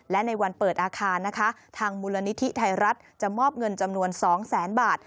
และในวันเปิดอาคารนะคะทางมูลนิธิไทยรัฐจะมอบเงินจำนวน๒แสนบาท